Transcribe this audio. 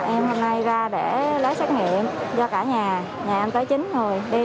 em hôm nay ra để lấy xét nghiệm do cả nhà nhà em tới chính rồi đi từ đà nẵng về